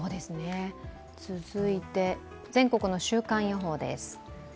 続いて全国の週間予報です。